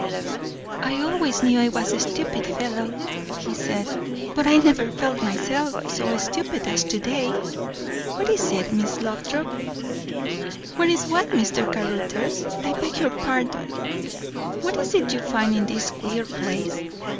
"I always knew I was a stupid fellow," he said; "but I never felt myself so stupid as to day! What is it, Miss Lothrop?" "What is what, Mr. Caruthers? I beg your pardon." "What is it you find in this queer place?"